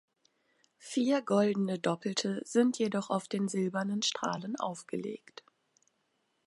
Vier goldene doppelte sind jedoch auf den silbernen Strahlen aufgelegt.